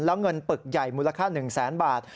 แล้วเงินปึกใหญ่มูลค่า๑แสนบาท